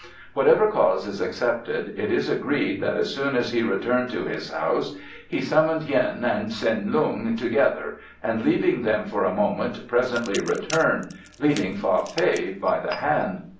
Whatever cause is accepted, it is agreed that as soon as he returned to his house he summoned Hien and Tsin Lung together and leaving them for a moment presently returned, leading Fa Fei by the hand.